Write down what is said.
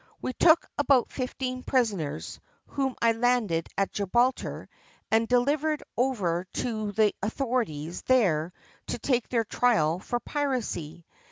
We took about fifteen prisoners, whom I landed at Gibraltar, and delivered over to the authorities there to take their trial for piracy.